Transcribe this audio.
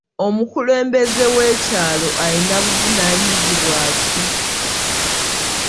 Omukulembeze w'ekyalo alina buvunaanyizibwa ki?